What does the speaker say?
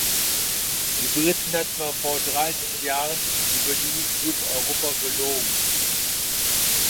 Die Briten hat man vor dreißig Jahren über diesen Klub Europa belogen.